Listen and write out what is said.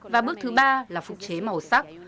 và bước thứ ba là phục chế màu sắc